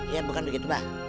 iya bukan begitu mbak